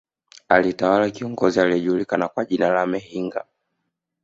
Alitawala kiongozi aliyejulikana kwa jina la Mehinga